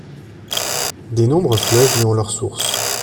Des nombreux fleuves y ont leurs sources.